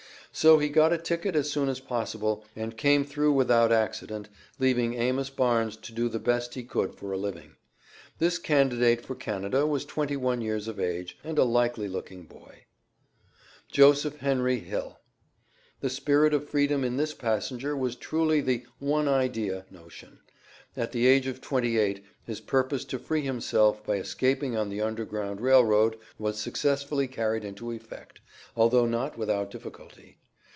So he got a ticket as soon as possible, and came through without accident, leaving Amos Barnes to do the best he could for a living. This candidate for Canada was twenty one years of age, and a likely looking boy. Joseph Henry Hill. The spirit of freedom in this passenger was truly the "one idea" notion. At the age of twenty eight his purpose to free himself by escaping on the Underground Rail Road was successfully carried into effect, although not without difficulty.